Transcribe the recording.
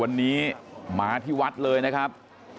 วันนี้มาที่วัดเลยนะครับ